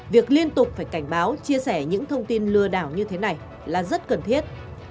việc liên tục phải cảnh báo chia sẻ những thông tin lừa đảo như thế này là rất cần thiết